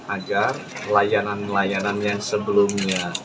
agar layanan layanan yang sebelumnya